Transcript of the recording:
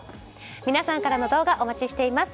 皆さんからの動画お待ちしています。